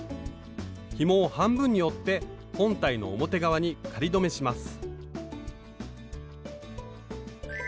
ひもを半分に折って本体の表側に仮留めします